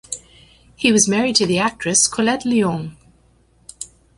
He was married to the actress Collette Lyons.